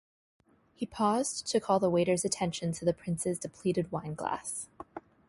He paused to call the waiter's attention to the Prince's depleted wineglass.